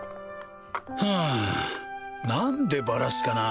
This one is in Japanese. はあ何でバラすかな